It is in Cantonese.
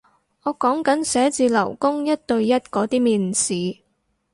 我講緊寫字樓工一對一嗰啲面試